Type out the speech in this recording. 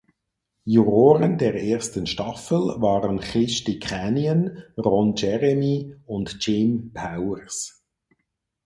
Juroren der ersten Staffel waren Christy Canyon, Ron Jeremy und Jim Powers.